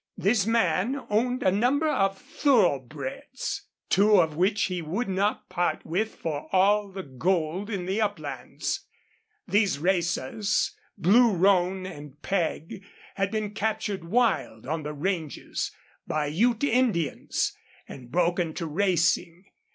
This man owned a number of thoroughbreds, two of which he would not part with for all the gold in the uplands. These racers, Blue Roan and Peg, had been captured wild on the ranges by Ute Indians and broken to racing.